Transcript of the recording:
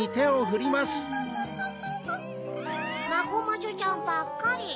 マゴマジョちゃんばっかり。